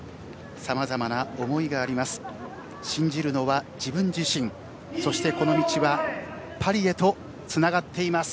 さまざまな思いがあります。